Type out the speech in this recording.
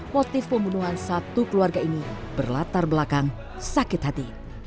motif pembunuhan satu keluarga ini berlatar belakang sakit hati